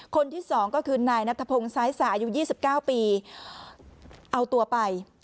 คนที่สองก็คือนายนัทพงศ์ซ้ายสาอายุยี่สิบเก้าปีเอาตัวไป